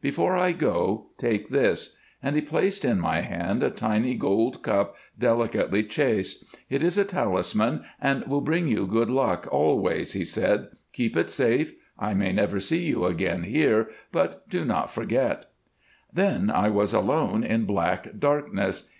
Before I go, take this,' and he placed in my hand a tiny gold cup delicately chased; 'it is a talisman and will bring you good luck always,' he said. 'Keep it safe, I may never see you again here, but do not forget.' "Then I was alone in black darkness.